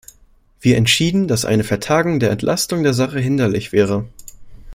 Wir entschieden, das eine Vertagung der Entlastung der Sache hinderlich wäre.